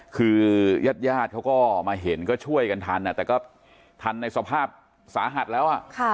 คือญาติญาติเขาก็มาเห็นก็ช่วยกันทันแต่ก็ทันในสภาพสาหัสแล้ว